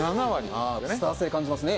スター性感じますね。